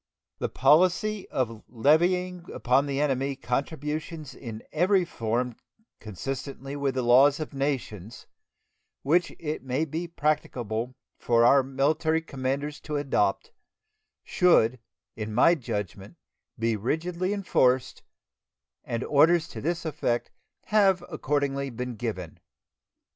The policy of levying upon the enemy contributions in every form consistently with the laws of nations, which it may be practicable for our military commanders to adopt, should, in my judgment, be rigidly enforced, and orders to this effect have accordingly been given.